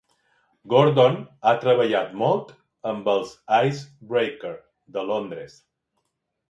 Gordon ha treballat molt amb els Icebreaker de Londres.